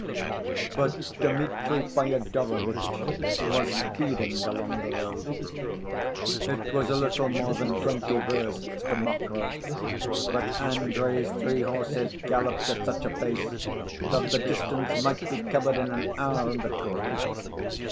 But Dmitri Fyodorovitch was speeding along the road. It was a little more than twenty versts to Mokroe, but Andrey's three horses galloped at such a pace that the distance might be covered in an hour and a quarter.